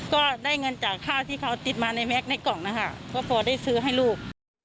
ก็ได้เงินจากข้าวที่เขาติดมาในแก๊กในกล่องนะคะก็พอได้ซื้อให้ลูก